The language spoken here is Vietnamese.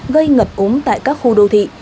gây ngập úng tại các khu đô thị